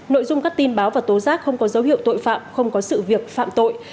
nội dung các tin báo và tố giác không có dấu hiệu tội phạm không có sự việc phạm tội